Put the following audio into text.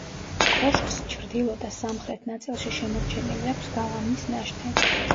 კოშკს ჩრდილო და სამხრეთ ნაწილში შემორჩენილი აქვს გალავნის ნაშთი.